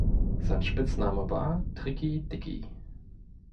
Sein Spitzname war "Tricky Dicky".